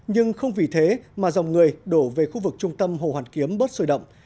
nhưng không vì thế mà dòng người đổ về khu vực trung tâm hồ hoàn kiếm bớt sôi động